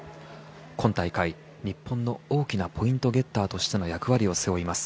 今大会、日本の大きなポイントゲッターとしての役割を背負います